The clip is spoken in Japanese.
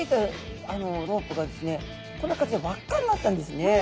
こんな形に輪っかになったんですね。